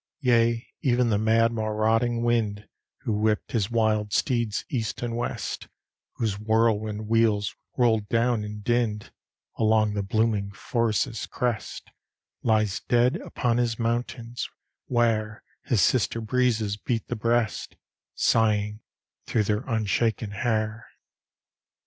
Yea, ev'n the mad, marauding Wind, Who whipped his wild steeds east and west, Whose whirlwind wheels rolled down and dinned Along the booming forest's crest, Lies dead upon his mountains, where His sister Breezes beat the breast Sighing through their unshaken hair.